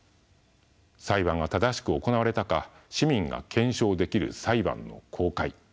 裁判が正しく行われたか市民が検証できる裁判の公開